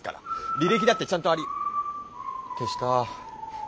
履歴だってちゃんとあり消した。